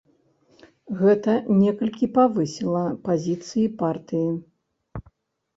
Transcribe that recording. Гэта некалькі павысіла пазіцыі партыі.